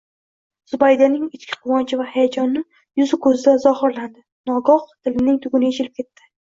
Zubaydaning ichki quvonchi va hayajoni yuzu ko’zlarida zohirlandi. Nogoh tilining tuguni yechilib ketdi.